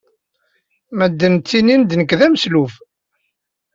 Medden ttinin-d nekk d ameslub.